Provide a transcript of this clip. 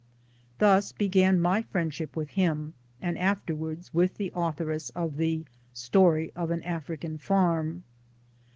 Thus began my friendship with him, and' afterwards with the authoress of The Story of An African Farm.